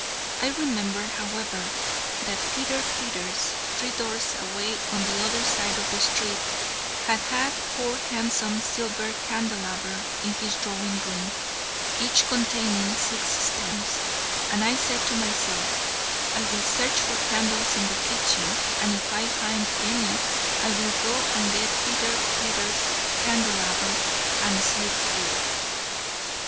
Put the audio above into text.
I remembered, however, that Peter Peters, three doors away on the other side of the street, had had four handsome silver candelabra in his drawing room, each containing six stems; and I said to myself: 'I will search for candles in the kitchen, and if I find any, I will go and get Peter Peters' candelabra, and sleep here.'